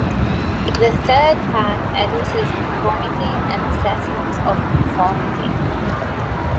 The third part addresses conformity and assessments of conformity.